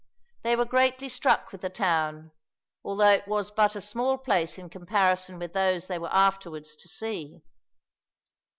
They were greatly struck with the town, although it was but a small place in comparison with those they were afterwards to see.